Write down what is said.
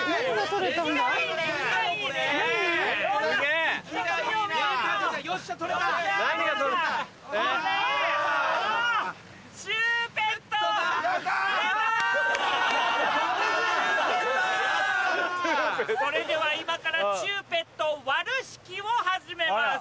それでは今からチューペットを割る式を始めます。